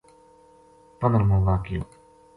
پندرمو واقعو